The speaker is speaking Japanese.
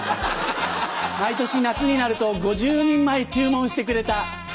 毎年夏になると５０人前注文してくれた。